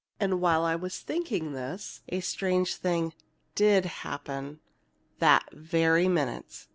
And while I was thinking this, a strange thing did happen that very minute!